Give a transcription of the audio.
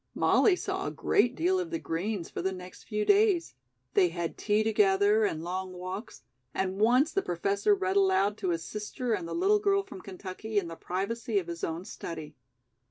Molly saw a great deal of the Greens for the next few days. They had tea together and long walks, and once the Professor read aloud to his sister and the little girl from Kentucky in the privacy of his own study.